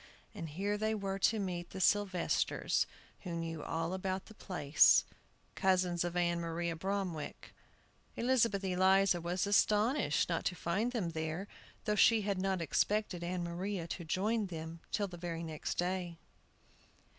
And here they were to meet the Sylvesters, who knew all about the place, cousins of Ann Maria Bromwick. Elizabeth Eliza was astonished not to find them there, though she had not expected Ann Maria to join them till the very next day.